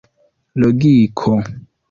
logiko